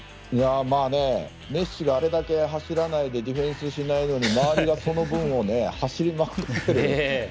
メッシがあれだけ走らないでディフェンスしないのに周りがその分を走りまくって。